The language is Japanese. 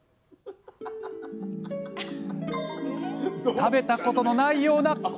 食べたことのないようなおいしさ。